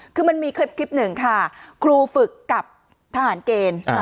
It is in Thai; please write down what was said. คือมันมีคลิปหนึ่งค่ะครูฝึกกับทหารเกณฑ์